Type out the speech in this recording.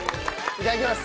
いただきます。